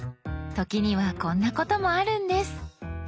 時にはこんなこともあるんです。